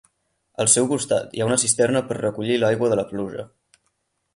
Al seu costat hi ha una cisterna per recollir l'aigua de la pluja.